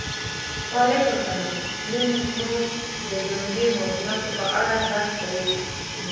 وعلیکم السلام نن موږ د ژوندیو موجوداتو په اړه بحث کوو